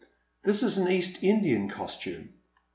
This is an East Indian costume."